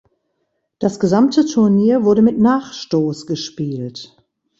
Das gesamte Turnier wurde mit Nachstoß gespielt.